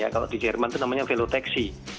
kalau di jerman itu namanya veloteksi